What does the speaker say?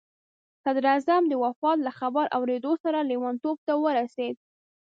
صدراعظم د وفات له خبر اورېدو سره لیونتوب ته ورسېد.